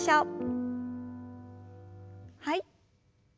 はい。